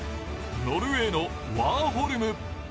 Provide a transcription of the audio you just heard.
ノルウェーのワーホルム。